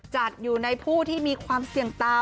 จัดอยู่ในผู้ที่มีความเสี่ยงตา